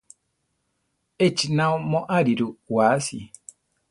Echina oʼmoáriru wáasi.